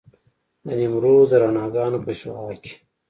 د نیمروز د رڼاګانو په شعاع کې.